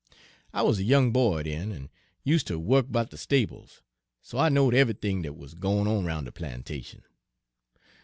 I wuz a young boy den, en use' ter wuk 'bout de stables, so I knowed eve'ythin' dat wuz gwine on 'roun' de plantation.